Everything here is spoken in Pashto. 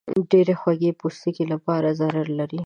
ډېرې خوږې د پوستکي لپاره ضرر لري.